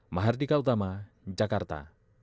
mahardika utama jakarta